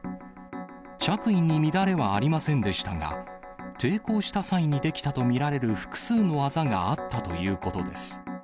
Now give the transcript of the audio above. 着衣に乱れはありませんでしたが、抵抗した際に出来たと見られる複数のあざがあったということです。